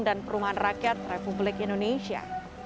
dan perumahan rakyat republik indonesia